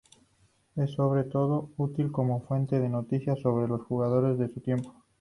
Es, sobre todo, útil como fuente de noticias sobre los jugadores de su tiempo.